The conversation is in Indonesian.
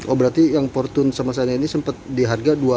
oh berarti yang fortune sama saya ini sempat di harga dua puluh delapan ya